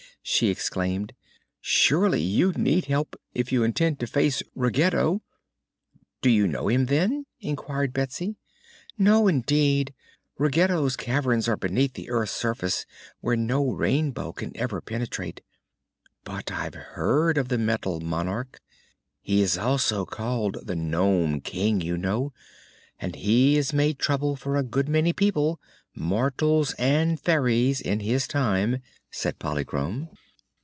she exclaimed. "Surely you need help, if you intend to face Ruggedo." "Do you know him, then?" inquired Betsy. "No, indeed. Ruggedo's caverns are beneath the earth's surface, where no Rainbow can ever penetrate. But I've heard of the Metal Monarch. He is also called the Nome King, you know, and he has made trouble for a good many people mortals and fairies in his time," said Polychrome.